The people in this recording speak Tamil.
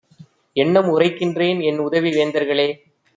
எண்ணம் உரைக்கின்றேன்! என்உதவி வேந்தர்களே